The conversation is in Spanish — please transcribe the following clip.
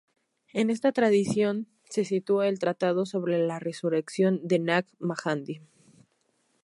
En esta tradición se situó el Tratado sobre la resurrección de Nag Hammadi.